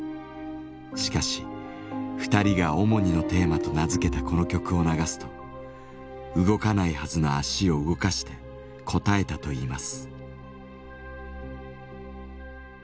しかし２人が「オモニのテーマ」と名付けたこの曲を流すと動かないはずの足を動かして応えたといいます。